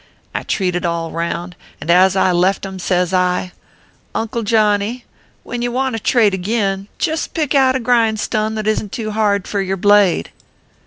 I treated all round, and as I left em, says I :" Uncle Johnny, when ye want to trade agin, jist pick out agrindstun that isn t too hard for yer blade.